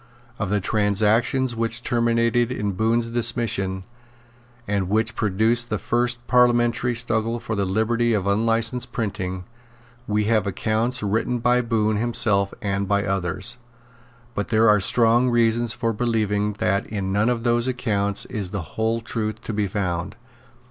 Of the transactions which terminated in Bohun's dismission, and which produced the first parliamentary struggle for the liberty of unlicensed printing, we have accounts written by Bohun himself and by others; but there are strong reasons for believing that in none of those accounts is the whole truth to be found.